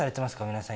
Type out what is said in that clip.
皆さん。